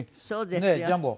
ねえジャンボ。